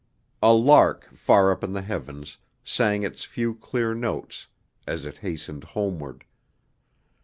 A lark far up in the heavens sang its few clear notes as it hastened homeward.